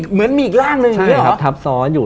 เหมือนมีอีกร่างหนึ่งใช่ครับทับซ้อนอยู่